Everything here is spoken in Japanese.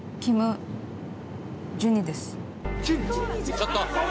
ちょっと。